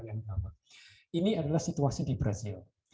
ini adalah situasi di brazil